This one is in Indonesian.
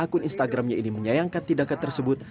akun instagramnya ini menyayangkan tindakan tersebut